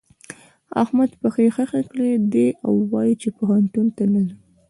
احمد پښې خښې کړې دي او وايي چې پوهنتون ته نه ځم.